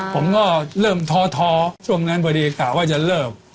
ผมก็เริ่มท้อช่วงนั้นพอดีกะว่าจะเลิก